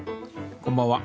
こんばんは。